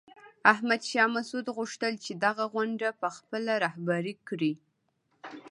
احمد شاه مسعود غوښتل چې دغه غونډه په خپله رهبري کړي.